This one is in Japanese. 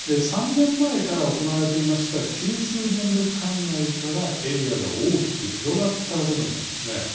３年前から行われていました九州電力管内からエリアが大きく広がったことになります。